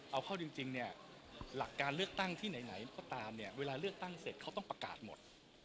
เอาเข้าจริงเนี่ยหลักการเลือกตั้งที่ไหนก็ตามเนี่ยเวลาเลือกตั้งเสร็จเขาต้องประกาศหมด